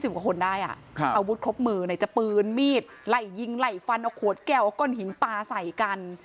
กว่าคนได้อ่ะครับอาวุธครบมือไหนจะปืนมีดไล่ยิงไล่ฟันเอาขวดแก้วเอาก้อนหินปลาใส่กัน